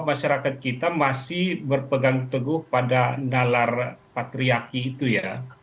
masyarakat kita masih berpegang teguh pada nalar patriarki itu ya